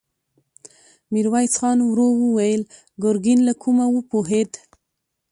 ميرويس خان ورو وويل: ګرګين له کومه وپوهېد؟